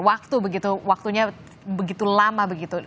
waktu begitu waktunya begitu lama begitu